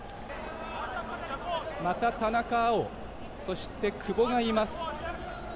また田中碧そして久保がいます。